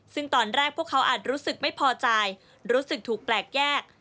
ซึ่งตอนแรกพวกเขาอาจรู้สึกไม่พอใจรู้สึกถูกแปลกแยก